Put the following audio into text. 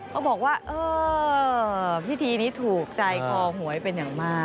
เขาบอกว่าเออพิธีนี้ถูกใจคอหวยเป็นอย่างมาก